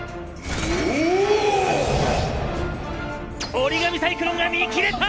折紙サイクロンが見切れた！！